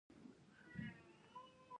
ایا زما فشار لوړ دی؟